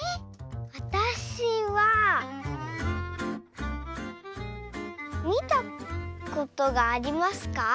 わたしはみたことがありますか？